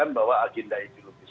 atau rahmatis dan agenda yang ideologis